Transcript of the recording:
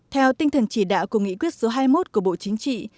theo tinh thần chỉ đạo của nghị quyết số hai mươi một của bộ chính trị